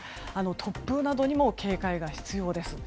突風などにも警戒が必要です。